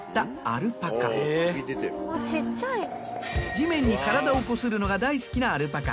地面に体をこするのが大好きなアルパカ。